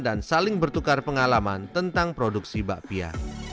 dan saling bertukar pengalaman tentang produksi bakpia